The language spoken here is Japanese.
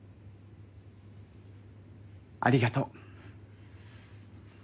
ありがとう。